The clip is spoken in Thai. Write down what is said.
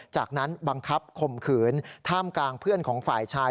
จากนั้นบังคับข่มขืนท่ามกลางเพื่อนของฝ่ายชาย